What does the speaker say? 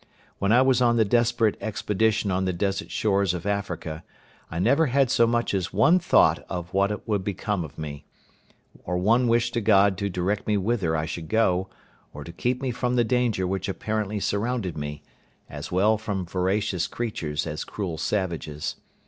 When I was on the desperate expedition on the desert shores of Africa, I never had so much as one thought of what would become of me, or one wish to God to direct me whither I should go, or to keep me from the danger which apparently surrounded me, as well from voracious creatures as cruel savages.